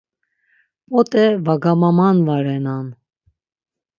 P̆ot̆e va gamamanvarenan.